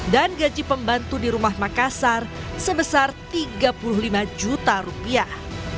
dan gaji pembantu di rumah makassar sebesar tiga puluh lima juta rupiah